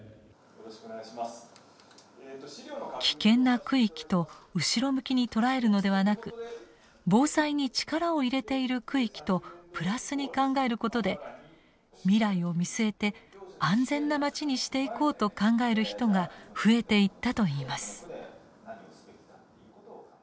「危険な区域」と後ろ向きに捉えるのではなく「防災に力を入れている区域」とプラスに考えることで未来を見据えて安全な町にしていこうと考える人が増えていったといいます。